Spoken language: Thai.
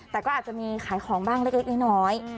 แต่ก็อาจจะมีขายของบ้างเล็กน้อย